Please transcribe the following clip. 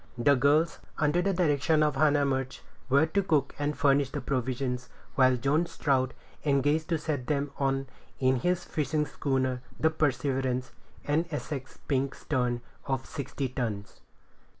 The girls, under the direction of Hannah Murch, were to cook and furnish the provisions, while John Strout engaged to set them on in his fishing schooner, the Perseverance, an Essex pink stern, of sixty tons.